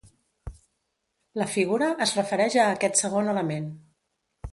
La figura es refereix a aquest segon element.